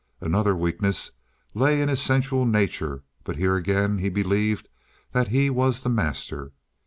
Another weakness lay in his sensual nature; but here again he believed that he was the master.